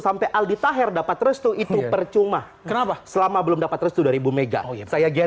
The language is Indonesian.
sampai aldi taher dapat restu itu percuma kenapa selama belum dapat restu dari bu mega saya gen